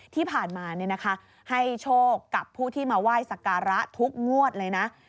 ที่ผ่านมาให้โชคกับผู้ที่มาไหว้สักการะทุกงวดเลยนะ